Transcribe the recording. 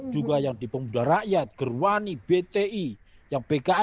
juga yang di pemuda rakyat gerwani bti yang pki